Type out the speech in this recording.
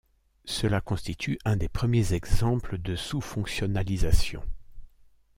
Cela constitue un des premiers exemples de sous-fonctionnalisation.